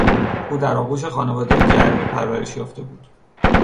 او در آغوش خانوادهی گرمی پرورش یافته بود.